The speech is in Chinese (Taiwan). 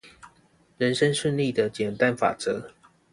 人生順利的簡單法則